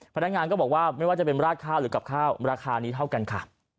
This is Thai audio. พนักงานก็บอกว่าไม่ว่าจะเป็นราดข้าวหรือกับข้าวราคานี้เท่ากันค่ะ